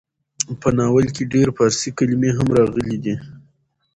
په ناول کې ډېر فارسي کلمې هم راغلې ډي.